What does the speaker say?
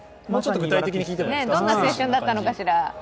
どんな青春だったのかしら。